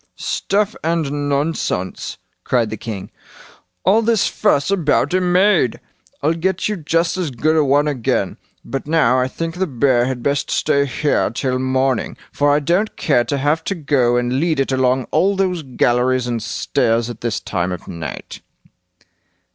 "Stuff and nonsense", cried the king; "all this fuss about a maid! I'll get you just as good a one again. But now I think the bear had best stay here till morning, for I don't care to have to go and lead it along all those galleries and stairs at this time of night."